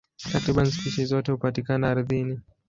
Takriban spishi zote hupatikana ardhini.